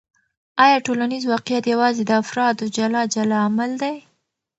آیا ټولنیز واقعیت یوازې د افرادو جلا جلا عمل دی؟